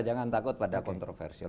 jangan takut pada kontroversi